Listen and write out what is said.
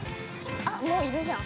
◆あっ、もういるじゃん。